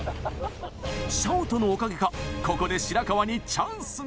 シャウトのおかげかここで白川にチャンスが。